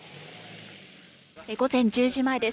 午前１０時前です。